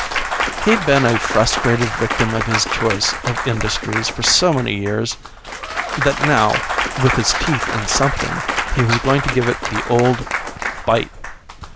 He'd been a frustrated victim of his choice of industries for so many years that now, with his teeth in something, he was going to give it the old bite.